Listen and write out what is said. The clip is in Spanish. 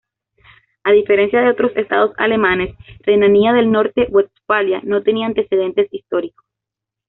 A diferencia de otros estados alemanes, Renania del Norte-Westfalia no tenía antecedentes históricos.